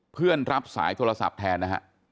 เพื่อนรับสายโทรศัพท์แทนนะฮะ